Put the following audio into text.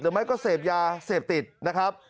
หรือไม่ก็เสพยาเสียบติดนะครับ